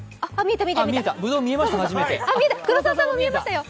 見えた、黒澤さんも見えましたよ。